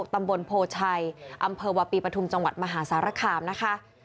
ตำบลโพชัยอำเภอวาปีปฐุมจังหวัดมหาสารคามนะคะ